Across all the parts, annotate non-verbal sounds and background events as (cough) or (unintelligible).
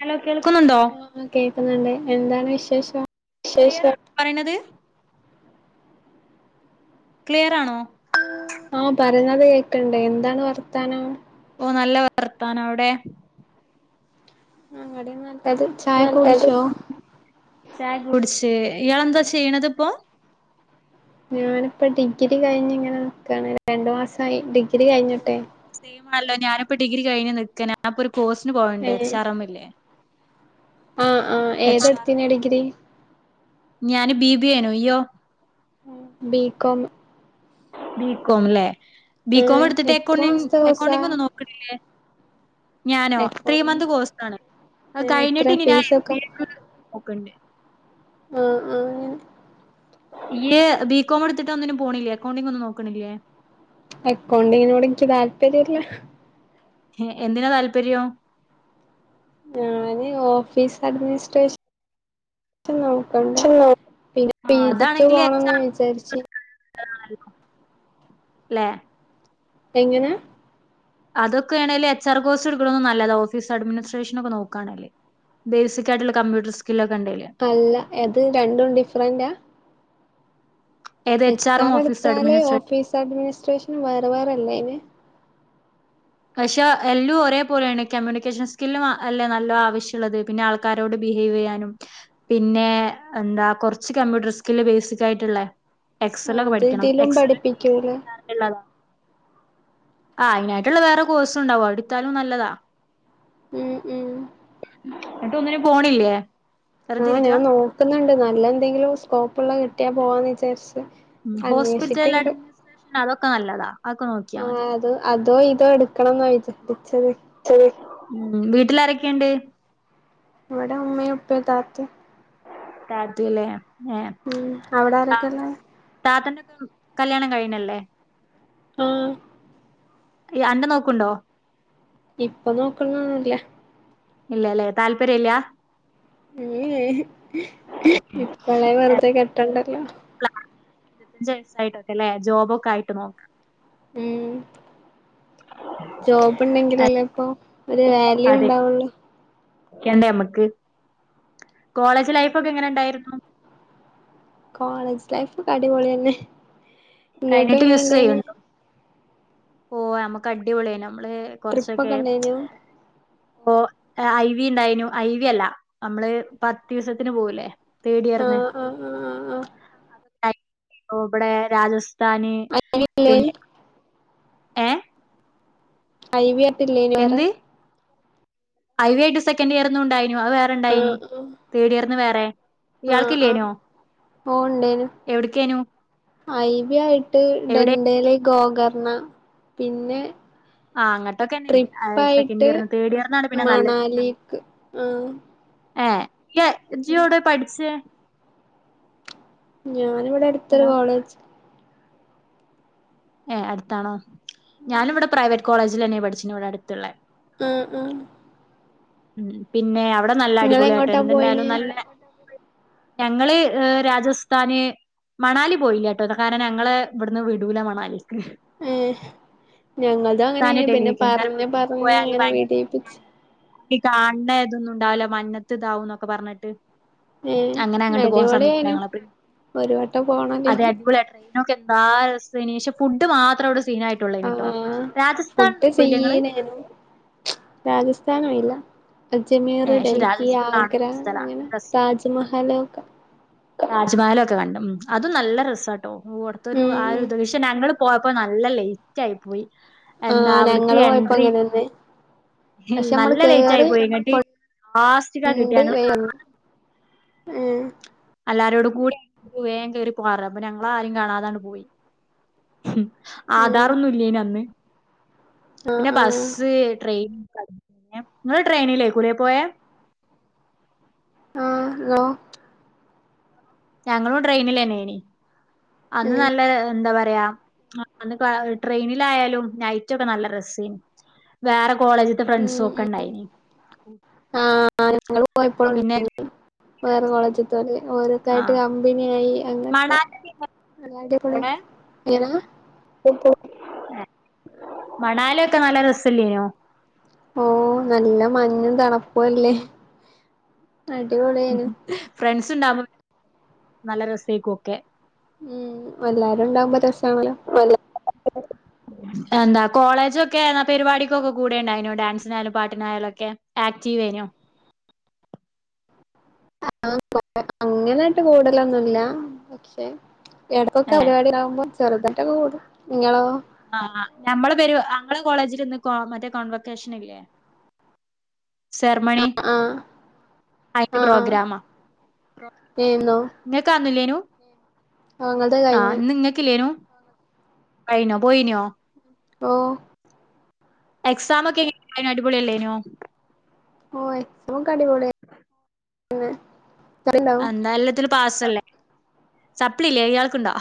Hello കേൾക്കുന്നുണ്ടോ? ആ കേൾക്കുന്നുണ്ട് എന്താണ് വിശേഷം? ശേഷം പറിണത് ക്ലിയറാണോ? ആഹ് പറിണത് കേക്ക്ണ്ട് എന്താണ് വർത്താനം? ഓഹ് നല്ല വർത്താനം അവിടേ ആഹ് ഇവിടേം (unintelligible) (unintelligible) ചായൊക്കെ കുടിച്ച് ഇയാളെന്താ ചെയ്യണത് ഇപ്പം ഞാനിപ്പം ഡിഗ്രി കഴിഞ് ഇങ്ങനെ നിക്കാണ് രണ്ടു മാസായി ഡിഗ്രി കഴിഞ്ഞ്ട്ടെ സെയിമാണല്ലോ ഞാനിപ്പോ ഡിഗ്രി കഴിഞ്ഞ് നിക്ക ഞാനിപ്പൊ ഒരു കോഴ്സിന് പോവൽണ്ട് ഏഹ് എച്ച് ആർ എംല്ലേ ആഹ് ആഹ് ഏതാ എച്ച് ആർ എം എടുത്തിനെ ഡിഗ്രി ഞാന് ബി ബി എ ആയ്നു ഇയ്യോ? ബി കോം ബികോം അല്ലേ ബികോം ഏഹ് എടുത്തിട്ട് എത്ര അക്കൗണ്ടി മാസത്തെ കോഴ്സാ അക്കൗണ്ടിംഗ് ഒന്നും നോക്കണില്ലേ ഞാനോ ത്രീ അക്കൗണ്ടിങ് മന്ത് കോഴ്സ് ആണ് അത് ഏഹ് എത്ര കഴിഞ്ഞിട്ട് ഞാൻ എം ഫീസൊക്കെ ബി എ ക്ക് നോക്കണ്ട് ആഹ് ആഹ് ഇയ്യ് ബി കോം എടുത്തിട്ട് ഒന്നിനും പോണില്ലേ അക്കൗണ്ടിംഗ് ഒന്നും നോക്കണില്ലേ അക്കൗണ്ടിങ്ങനോട് എനിക്ക് താല്പര്യല്ല ഏഹ് എന്തിനാ താല്പര്യം? ഞാന് ഓഫീസ് അഡ്മിനിസ്ട്രേഷ ന് നോക്ക്ണ്ട് ച്ച് നോ പിന്നെ പി ജി ക്ക് പോണന്ന് വിചാരിച്ച് (unintelligible) ല്ലേ എങ്ങനെ അതൊക്കേണേൽ എച്ച് ആർ കോഴ്സ് എടുക്ക്ണതും നല്ലതാ ഓഫീസ് അഡ്മിനിസ്ട്രേഷനക്കെ നോക്കാണേല് ബേസികായിട്ടുള്ള കമ്പ്യൂട്ടർ സ്കില്ലൊക്കെ ഇണ്ടയ്ല് അല്ല അത് രണ്ടും ഡിഫറൻ്റാ ഏത് എച്ച് ആറും ആർ ഓഫീസ് എടുത്താല് അഡ്മിനിസ്ട്രേ ഓഫീസ് അഡ്മിനിസ്ട്രേഷനും വേറെ വേറെ അല്ലെ അയ്ന് പക്ഷെ എല്ലും ഒരേ പോലെയാണ് കമ്മ്യൂണിക്കേഷൻ സ്കില്ലും അല്ലേ നല്ലോ ആവശ്യള്ളത് പിന്നെ ആൾ ക്കാരോട് ബിഹേവ് യ്യാനും പിന്നെ എന്താ കൊർച്ച് കമ്പ്യൂട്ടർ സ്കില് ബേസിക് ആയിട്ടുള്ളേ എക്സെല് ഒക്കെ അത് പഠിക്കണം ഇതിലും എക്സെല് പഠിപ്പിക്കൂലേ (inaudible) ആഹ് അയ്നായി ട്ട്ള്ള വേറെ കോഴ്സൂണ്ടാവും അത് ഇട്ത്താലും നല്ലതാ ഉം ഉം ന്നട്ട് ഒന്നിനും പോണില്ലേ വെറുതെ ആഹ് ഞാൻ ഇരിക്കാ നോക്കുന്നുണ്ട് നല്ല എന്തെങ്കിലും സ്കോപ്പുള്ള കിട്ടിയാ പോവാന്ന് വിചാരിച്ച് ഉം ഹോസ്പിറ്റൽ അന്വേഷിക്ക്ണ്ട് അഡ്മിനിസ്ട്രേഷൻ അതൊക്കെ നല്ലതാ അതൊക്കെ നോക്കിയാ ആഹ് മതി അത് അതോ ഇതോ എടുക്കണംന്നാ വിചാരിച്ചത് (unintelligible) ഉം വീട്ടില് ആരെക്കേണ്ട് ഇവടെ ഉമ്മീം ഉപ്പീം താത്തിം താത്തി ലേ ഏഹ് ഉം അവിടെ ആരൊക്കെള്ളെ (inaudible) താത്തന്റെ ഒക്കെ കല്യാണം കഴിഞ്ഞല്ലേ ആഹ് ഈ അന്റെ നോക്ക്ണ്ടോ ഇപ്പൊ നോക്ക്ണൊന്നും ഇല്ല ഇല്ലല്ലേ താല്പര്യല്ലാ ഏഹ് എഹ് ഇപ്പളേ വെർതെ കെട്ടണ്ടല്ലോ (inaudible) ഞ്ച് വയസ്സായിട്ടൊക്കെ ല്ലേ ജോബ് ഒക്കെ ആയിട്ട് നോക്ക ഉം ജോബ് ഇണ്ടെങ്കിലല്ലേ ഇപ്പം ഒരു വാല്യൂ ഇണ്ടാവുള്ളൂ ക്കണ്ടേ ഞമ്മക്ക് കോളേജ് ലൈഫ് അതെ ഒക്കെ എങ്ങനെ ഇണ്ടായിരുന്നു കോളേജ് ലൈഫ് ഒക്കെ അടിപൊളി തന്നെ ഇങ്ങക്ക് കഴിഞ്ഞിട്ട് എങ്ങനെ മിസ് ഇണ്ടേയ്നി ചെയ്യണ്ടോ ഓഹ് ഞമ്മക്ക് അടിപൊളിയായിനു നമ്മള് ട്രിപ്പ് കൊർച്ചൊക്കെ ഒക്കെ ഇണ്ടേനോ അപ്പോ ഐവി ഉണ്ടായിനു ഐവി അല്ല നമ്മള് പത്തീസത്തിന് പോവൂലേ തേടിയർന്ന് ആഹ് (inaudible) ആഹ് ആഹ് ആഹ് ഇവടെ രാജസ് ഥാന് ഐ വി ഇല്ലേനി പിന്നെ ഏഹ് ഐവി ആയിട്ട് ഇല്ലേന്യോ വേറെ ഐവി ആയിട്ട് സെക്കൻഡ് ഇയർന്നും ഇണ്ടായിനു അത് വേറെ ഇണ്ടായിനി ആഹ് ആഹ് തേർഡ് ഇയർന്ന് വേറെ ആഹ് ആഹ് ഇയാൾക്കില്ലേനോ പോവ്ണ്ടേനു എവിടക്കേനു ഐവി ആയിട്ട് എവിടെ ഡെൻഡേലേ ഗോഗർന്നാ പിന്നെ ആഹ് അങ്ങട്ടൊക്കെന്നെയ്നി സെക്കൻ് ട്രിപ്പായിട്ട് ഇയർന്ന് തേർഡ് ഇയർന്നാണ് പിന്നെ നല്ല മണാലിക്ക് ആഹ് ഏഹ് (unintelligible) ഇജ് എവുടെ പഠ്ച്ചേ ഞാന് ഇവടെ അട്ത്തൊര് ഹലോ കോളേജ് ഏഹ് അട്ത്താണോ ഞാനിവടെ പ്രൈവറ്റ് കോളേജിലെന്നെയ പഠിച്ചിന് ഇവടെ അട്ത്ത്ള്ളേ ഉം ഉം ഉം പിന്നെ അവടെ നല്ല അടിപൊളിയാട്ടൊ നിങ്ങളെങ്ങോട്ടാ പോയിന് എന്ത്ണ്ടായാലും നല്ല ഞങ്ങള് ഏ രാജസ്ഥാന് മണാലി പോയില്ലട്ടോ കാരണം ഞങ്ങള് ഇവട്ന്ന് വിടൂല മണാലിക്ക് ഏ ഞങ്ങളതും രാജസ്ഥാന് അങ്ങനെയ്‌നി പിന്നെ ഡൽഹിക്കും കാരണം പറഞ്ഞ് അങ്ങനെ പറഞ്ഞ് പോയാല് ഇങ്ങനെ ഭയങ്കര വിടീപ്പിച്ച് സീനാണ് ഈ കാണ്ന്ന ഇതൊന്നും ഉണ്ടാവുല മഞ്ഞത്ത് ഇതാവുംന്നൊക്കെ പറഞ്ഞിട്ട് ഏ അങ്ങനെ അങ്ങട്ട് പോവാൻ സമ്മയ്ക്കൂല അടിപൊളിയേനു ഞങ്ങളെ പ്രി ഒരു വട്ടം പോണല്ലോ അതെ അടിപൊളിയാ ട്രെയിൻ ഞമ്മക്ക് എന്താ രസം പക്ഷെ ഫുഡ് മാത്രം അവടെ ആ സീനായിട്ടുള്ളേനിട്ടോ രാജസ്ഥാനൊന്നും പോയില്ലെ ഇങ്ങള് ഹലോ രാജസ്ഥാൻ പോയില്ല അജ്മീർ ഏഹ് പക്ഷെ ഡൽഹി രാജസ്ഥാൻ ആഗ്ര കാണേണ്ട സ്ഥലാണ് അങ്ങനെ താജ്മഹൽ ഒക്കെ താജ്മഹല് ഒക്കെ കണ്ടു ഉം അതും നല്ല രസട്ടോ ഓടത്തൊരു ആ ഉം ഒരു ദൃശ്യം പക്ഷേ ഞങ്ങള് പോയപ്പോ നല്ല ലേറ്റ് ആയി പോയി ആ എന്താ അവിടക്ക് ഞങ്ങള് പോയപ്പോ എൻട്രി അങ്ങനെന്നെ പക്ഷെ (inaudible) നമ്മള് നല്ല ലേറ്റ് ആയി കേറി പോയിങ്ങാട്ട് ലാസ്റ്റിക്കാ കൊണ്ട് കിട്ടിയാങ്ങള് വേഗം ഉം എല്ലാരോടു കൂടി വേഗം കേറി പോവാൻ പറഞ്ഞു അപ്പൊ ഞങ്ങള ആരും കാണാതാങ് പോയി ഉം ഉം ആധാറൊന്നും ഇല്ലേനു അന്ന് ആ പിന്നെ ആ ബസ്സ് ട്രെയിൻ നിങ്ങള് ട്രെയിനിലേ കൂടിയേ പോയേ? ആഹ്‌ ഇങ്ങളോ ഞങ്ങളും ട്രെയിനിൽന്നെനി അന്ന് നല്ല എന്താ പറയാ അന്ന് ട്രെയിനിലായാലും നൈറ്റൊക്കെ നല്ല രസ വേറെ കോളേജ് ഉം ഫ്രണ്ട്സൊക്കെ ഉം ഉണ്ടായിനി ആ ഞങ്ങള് പോയപ്പളും പിന്നെ വേറെ കോളേജത്തോര് ഓരോക്കായിട്ട് ആഹ് കമ്പിനിയായി അങ്ങനൊക്കെ മണാലി അങ്ങനെ അടിപൊളിയാണ് അവിടെ ഏങ്ങനാ മണാലി ഒക്കെ നല്ല രസല്ലേനോ ഓഹ് നല്ല മഞ്ഞും തണുപ്പും ല്ലേ അടിപൊളിയനു ഫ്രണ്ട്സ് ഉണ്ടകുമ്പോ നല്ല രസേക്കും ഒക്കെ ഉം എല്ലാരും ഉണ്ടാവുമ്പോ രസണല്ലോ എന്താ കോളേജ്ക്കെ എന്നാ പരിപാടിക്കുക്കെ കൂടെണ്ടായിനു ഡാൻസിനായാലും പാട്ടിനായാലും ഒക്കെ ആക്റ്റീവ്നു ആഹ്‌ അങ്ങനെയിട്ട് കൂടലൊന്നുംല്ല ഇടക്കൊക്കെ ഏ പരിപാടിയാകുമ്പോ ചെറുതായിട്ടൊക്കെ കൂടും നിങ്ങളോ ആഹ്‌ ഞമ്മള് പെരു ഞമ്മളെ കോളേജിൽ ഇന്ന് മറ്റേ കോൺവെക്കേഷന്ല്ലേ സെർമണി ആഹ് ആഹ് അയിന്റെ ആഹ് ആഹ് പ്രോഗ്രാമ നിന്നോ നിങ്ങക്കാന്നില്ലേനു ഓഹ് ഇങ്ങൾത് ആഹ്‌ കഴിഞ്ഞു ഇന്ന് നിങ്ങൾക്കല്ലേനു കഴിഞ്ഞോ പോയിനോ ഓഹ്‌ എക്സാം ഒക്കെ എങ്ങനെ അടിപൊളിയല്ലേനോ ഓഹ്‌ എക്സമ്ക്കടിപൊളിയായിന് എന്താ എല്ലാത്തിന് പാസല്ലേ സപ്പ്ളി ഇല്ലേ ഇയാൾക്കുണ്ടോ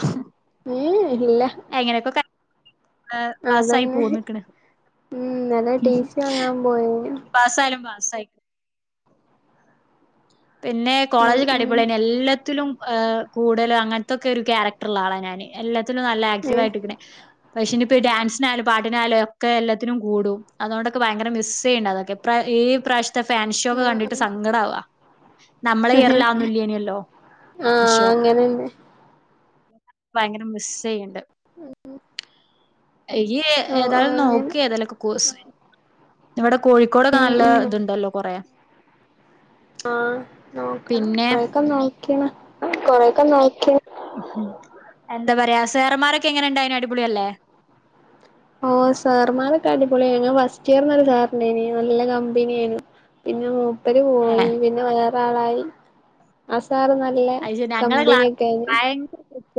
ഉം ഇല്ല അങ്ങനെയൊക്കെ അതന്നെ ഉം ന്നലെ ടീസി വാങ്ങാൻ പോയേ പാസ്സായാലും പാസ്സ് പിന്നെ ഉം കോളേജ് ക്കെ ഉം അടിപൊളിയായിന് യെല്ലത്തിലും ഏഹ് കൂടലു അങ്ങനത്തക്കെ ഒരു ക്യാരക്ടറുള്ള ആളാണ് ഞാന് എല്ലാത്തിലും നല്ല ആക്റ്റീവ് ആയിട്ട്ക്കണെ ഉം പക്ഷേ ഇനിയിപ്പോ ഡാൻസിനായാലും പാട്ടിനായാലുംക്കെ എല്ലാത്തിനും കൂടും അതുകൊണ്ടക്കെ ഭയങ്കര മിസ്യ്യുന്നുണ്ട് അതൊക്കെ പ്ര ഈ പ്രാവശ്യത്തെ ഫാൻഷോ ഒക്കെ കണ്ടിട്ട് ആഹ് സങ്കടാവ നമ്മളെ ആഹ് ഇയർലാവ്ന്നില്ലേനിയല്ലോ ആഹ് ഷോ അങ്ങനെന്നെ ഭയങ്കര മിസ്സെയ്യ്ണ്ട് ഉം ഇയ്യ് ഏതായാലും നോക്ക് ഏതേലൊക്കെ കോഴ്സ് ഇവടെ കോഴിക്കോടൊക്കെ ഉം നല്ല ഉം ഇത്ണ്ടല്ലോ കൊറെ ആഹ് നോക്കണം അയ് (unintelligible) നോക്കിണ് കൊറെക്കെ നോക്കിണ് എന്താ പറയാ സേറമാരൊക്കെ എങ്ങനെ ഇണ്ടായീനി അടിപൊളിയല്ലേ ഓഹ്‌ സാർമാരൊക്കെ അടിപൊളിയേനു ഫസ്റ്റ് ഇയർന്നൊരു സാർണ്ടേനി നല്ല കമ്പനിയേനു പിന്നെ മൂപ്പര് ഏഹ് പോയി പിന്നെ വേറെ ആളായി ആ സാറ് നല്ല കമ്പനി ഒക്കെ ഏനി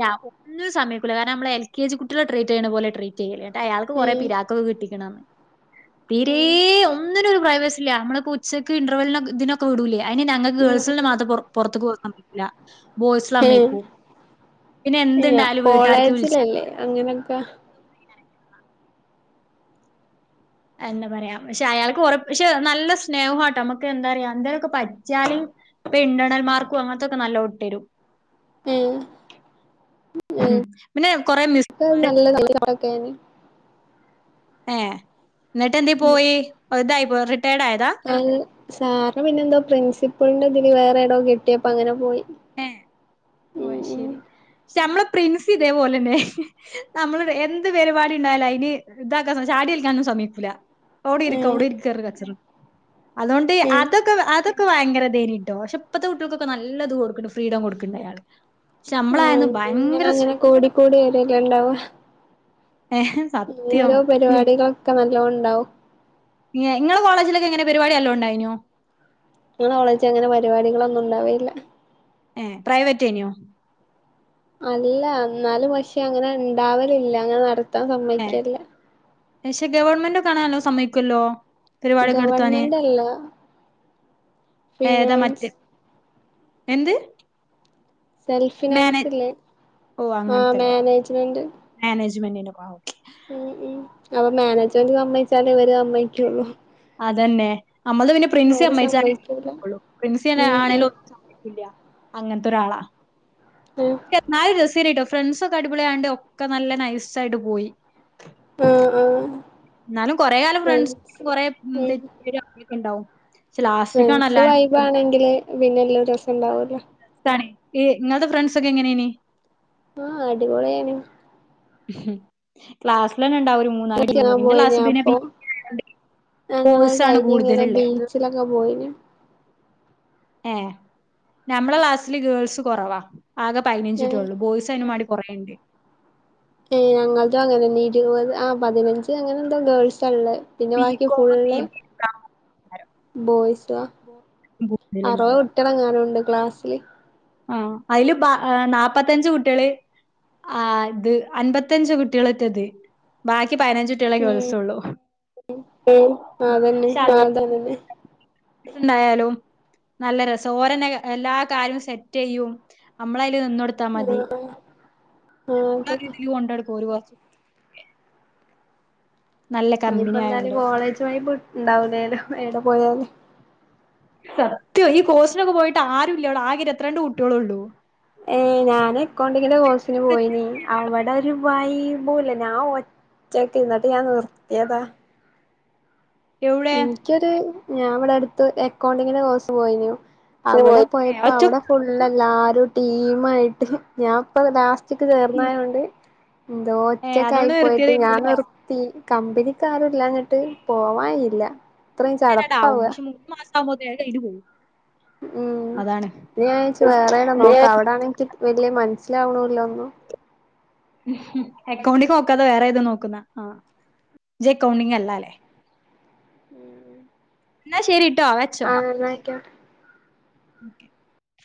ഞാ ഒന്നിനും സമ്മയ്ക്കൂല കാരണം ഞമ്മളെ എൽ കെ ജി കുട്ടിയേളെ ട്രീറ്റ് ചെയ്യ്ണ പോലേ ട്രീറ്റ് ചെയ്യല് ഇന്നട്ട് അയാൾക്ക് കുറെ ഏഹ് പിരാ കൊക്കെ കിട്ടിക്ക്ണോ തീരേ ഏഹ് ഒന്നിനും ഒരു പ്രൈവസി ഇല്ല ഞമ്മള്പ്പു ച്ചക്ക് ഇന്റർവെല്ല ഇതിനൊക്കെ വിടൂലേ അയ്ന് ഞങ്ങക്ക് ഉം ഗേൾസിന് ഉം മാത്രം പൊർ പൊർത്ത്ക്ക് വിട്ണം ല്ല ബോയ്സ്ളെ ഏഹ് സമ്മയ്ക്കും പിന്നെ എന്ത്ണ്ടായാലും വീട്ടാർക്ക് വിള്ച്ച് അങ്ങനൊക്ക എന്താ പറയാ പക്ഷെ അയാൾക്ക് കൊറ പക്ഷെ നല്ല സ്നേഹും ആട്ടോ നമ്മക്ക് എന്താ പറയാ എന്തേലൊക്കെ പട്ച്ചാല് ഇപ്പം ഇന്റേർണൽ മാർക്കും അങ്ങൻത്തൊക്കെ നല്ലോം ഇട്ടെരും ഏഹ് ഉം പിന്നെ കൊറെ ഞങ്ങക്ക് മിസ്മാര് (unintelligible) ഏഹ് ഇന്നട്ട് എന്തേ ഉം പോയീ അത് ഇതായിപ്പോയതാ റിട്ടയേഡ് ആയതാ അത് സാറ് പിന്നെന്തോ പ്രിൻസിപ്പ്ള്ന്റെ ഇതില് വേറെദോ കിട്ടിയപ്പങ്ങനെ പോയി ഏഹ് (inaudible) ഓ അയ് ഉം ശരി പക്ഷെ നമ്മളെ പ്രിൻസി ഇതേ പോലെന്നെ നമ്മള് (unintelligible) എന്ത് പെരിപാടി ഇണ്ടായാലും അയ്ന് ഇതാക്കാൻ സ (unintelligible) ചാടിയേൽക്കാനൊന്നും സമ്മയ്ക്കൂല. അവ്ടെ ഇരിക്ക് ഉം അവ്ടെ ഇരിക്ക് പർഞ്ഞ് കച്ചറൂടും അതോണ്ട് ഉം അതൊക്കെ അതൊ ക്കെ ഭയങ്കര ഇതേനിട്ടോ പക്ഷെ ഇപ്പത്തെ കുട്ടേൾക്കൊക്കെ നല്ലത് കൊട്ക്ക്ണ്ട് ഫ്രീഡം കൊട്ക്ക്ണ്ട് അയാള് പക്ഷെ ആഹ് നമ്മളായന്ന് ഇങ്ങനെ ഭയങ്കര അങ്ങനെ സ്ട്രിക്റ്റ് കൂടിക്കൂടി വരെല്ലെ ഇണ്ടാവ ഏ ഇന്നൊരോ പരിവാടികളൊക്കെ നല്ലോം ഇണ്ടാവും ഏ ഇങ്ങളെ കോളേജിലൊക്കെങ്ങനെ പരിപാടി നല്ലോണ്ടായിനോ ഞങ്ങളെ കോളേജ് അങ്ങനെ പരിപാടികളൊന്നും ഉണ്ടാവൽല്ല ഏ പ്രൈവറ്റേനോ അല്ല ന്നാലും പക്ഷെ അങ്ങനെ ഇണ്ടാവലില്ല അങ്ങനെ നടത്താൻ ഏഹ് സമ്മയ്ക്കേല്ല പക്ഷെ ഗവൺമെന്റ് ഒക്കെ ആണെ നല്ലോം സമ്മയ്ക്കല്ലോ പരിവാടി ഒക്കെ നടത്താന് ഗവൺമെന്റ് അല്ല ഏതാ ഫിനാൻസ് മറ്റെ എന്ത് മാനേ സെൽഫിനാൻസ് ല്ലേ ആഹ് മേനേജ്മെൻറ് മേനേജ്മെൻ്റിൻ്റെക്കെ ആവും ഉം ഉം അപ്പം മേനേജ്‌മെൻ്റ് സമ്മയ്ച്ചാലേ ഇവല് സമ്മയ്ക്കൊള്ളൂ അതന്നെ അമ്മൾത് പിന്നെ പ്രിൻസി സമ്മയ്ച്ചാലെ സമ്മതിക്കൂല നടക്കൊള്ളൂ പ്രിൻസിയെന്നെ ഉം ഉം ആണേലും സ ഇല്ല അങ്ങൻത്തൊരാളാ ഏ എന്നാലും രസെയ്‌നിട്ടോ ഫ്രണ്ട്സൊക്കെ അടിപൊളിയാണ്ട് ഒക്കെ നല്ല നൈസായിട്ട് പോയി ആഹ് ആഹ് എന്നാലും കൊറെ കാലം ഫ്രണ്ട്സ് കൊറെ തെ ഉം (unintelligible) അങ്ങൊക്കെണ്ടാവും ഫ്രണ്ട്സ് വൈബാണെങ്കില് പിന്നെ എല്ലും രസണ്ടാവല്ലൊ താണ് ഇ ഇങ്ങൾത് ഫ്രണ്ട്സൊക്കെ എങ്ങനെയ്നി ആഹ് അടിപൊളിയേനി ക്ലാസിലെന്നെ ഇണ്ടാവും ഒര് മൂ (unintelligible) പോയിനി അപ്പൊ ഞങ്ങളത് കോഴ്സ് ആണ് കയ്ഞ്ഞ്ങ്ങനെ കൂടുതലുള്ളേ ബീച്ചിലൊ ക്ക പോയിനി ഏഹ് ഞമ്മളെ ക്ലാസ്സില് ഗേൾസ് കൊറവാ ആകെ പയ്നഞ്ച് ഞങ്ങ കുട്ടേളൊള്ളൂ ബോയ്സ് അയ്‌നും മാണ്ടി കൊറേണ്ട് ഏഹ് ഞങ്ങൾതും അങ്ങനെന്നെ ഇരുപത് ആഹ് പതിനഞ്ച് അങ്ങനെന്തോ ഗേൾസാള്ളേ പിന്നെ ബാക്കി ബികോം, ഫുള്ള് ബിബിഎ ബോയ്സുവാ അറുപത് കൂടുതലുണ്ടാവാ. കുട്ട്യളെങ്ങാനുണ്ട് ക്ലാസ്സില് ആഹ് അയല് ബാ ഏഹ് നാപ്പത്തഞ്ച് കുട്ട്യേള് ആഹ് ഇത് അൻപത്തഞ്ച് കുട്ടികളറ്റത് ബാക്കി പതിനഞ്ച് കുട്ട്യളേ ഉം ഗേൾസൊള്ളൂ അതന്നെ ഞങ്ങൾതും അങ്ങനെന്നെ ണ്ടായാലും നല്ല രസ ഓരന്നെ എല്ലാ കാര്യും സെ റ്റെയ്യും നമ്മളയ്ല് നിന്നൊട് ത്താ മതി ആഹ് ആഹ് നമ്മളാ അതന്നെ രീതീല് കൊണ്ടടുക്കും ഓല് നല്ല കമ്പനി ഇഞ്ഞ്പ്പെന്തായാലും ആയോണ്ട്. കോളേജ് വൈബ് ഇണ്ടാവൂലേലൊ ഏടെ പോയാലും സത്യവ ഈ കോഴസ്നൊക്കെ പോയിട്ട് ആരുല്ല്യട ആകെ ഇരുപത്തി രണ്ട് കുട്ട്യോളൊള്ളൂ ഏഹ് ഞാന് അക്കൗണ്ടിങ്ങിന്റെ കോഴ്സിന് പോയിനി അവ്ടൊരു വൈബുല്ല ഞാൻ ഒ റ്റക്ക് ഇന്നട്ട് ഞാൻ നിർത്തിയതാ എവിടെ ഇൻക്കൊരു ഞാൻ ഇവടടുത്ത് എക്കൗണ്ടിങ്ങിന്റെ കോഴ്സ് പോയിനു അവടെ പോയി പോയപ്പോ ഒറ്റ അവടെ ഫുള്ള് എല്ലാരും ടീമായിട്ട് ഞാപ്പം ലാസ് റ്റക്ക് ചേർന്നായോണ്ട് എന്തോ ഏ ഒറ്റക്കായി അതുകൊണ്ട് പോയിട്ട് ഞാൻ നിർത്തിയതേക്കൂലേ നിർ തീ കമ്പനിക്കാറൂല്ലാഞ്ഞിട്ട് പോവാൻ കയ്യില്ല അങ്ങനെടാവും പക്ഷെ മൂന്ന് മാസാവുമ്പോത്തേ അത് കയ്ഞ്ഞ് പോവും ഉം അതാണ് പിന്നെ ഞാൻ വിച്ച് വേറെ എടെം നോക്ക അവിടാണെ ഇൻക് വല്യ മനസ്സിലാവണുല്ല ഒന്നും അക്കൗണ്ടിങ് നോക്കാതെ വേറേത് നോക്കുന്ന അഹ് ഇജ് അക്കൗണ്ടിംഗ് അല്ലാ ലേ (inaudible) ഇന്നാ ശരിട്ടോ (inaudible) ആഹ് ഇന്നാ അയ്ക്ക്യോട്ടെ ഓക്കെ